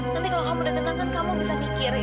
nanti kalau kamu udah kena kan kamu bisa mikir